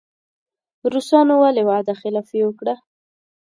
روسانو ولې وعده خلافي وکړه.